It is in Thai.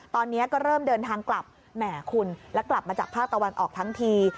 ตอนนี้ก็เริ่มเดินทางกลับแหมคุณแล้วกลับมาจากภาคตะวันออกทั้งที